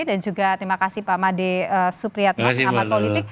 dan juga terima kasih pak made supriyat mas hamad politik